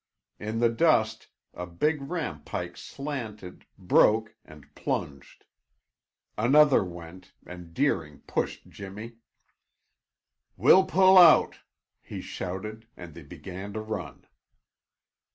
In the dust, a big rampike slanted, broke, and plunged. Another went and Deering pushed Jimmy. "We'll pull out!" he shouted and they began to run.